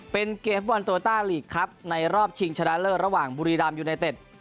เป็นเกมฟุตบอลโตต้าลีกครับในรอบชิงชนะเลิศระหว่างบุรีรามยูไนเต็ด